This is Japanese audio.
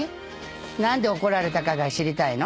何で怒られたかが知りたいの？